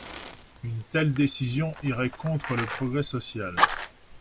Une telle décision irait contre le progrès social.